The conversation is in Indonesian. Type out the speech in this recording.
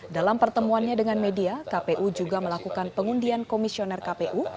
dalam pertemuannya dengan media kpu juga melakukan pengundian komisioner kpu